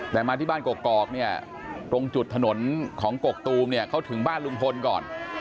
แต่มาที่บ้านกกอกตรงจุดถนนของกกตูมเขาถึงบ้านลุงพลก่อน